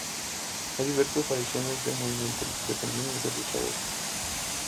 Hay diversas variaciones del movimiento, dependiendo del luchador.